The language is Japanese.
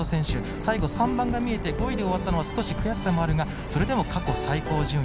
最後、３番が見えて５位で終わったのは少し悔しさもあるがそれでも過去最高順位。